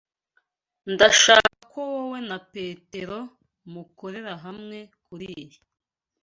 Ndashaka ko wowe na Petero mukorera hamwe kuriyi.